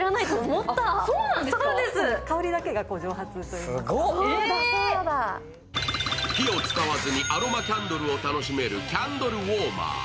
寝る前にちょうど火を使わずにアロマキャンドル楽しめるキャンドルウォーマー。